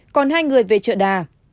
còn hai người về chợ đà